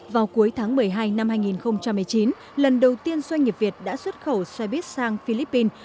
vào cuối tháng một mươi hai năm hai nghìn một mươi chín lần đầu tiên doanh nghiệp việt đã xuất khẩu xe buýt sang philippines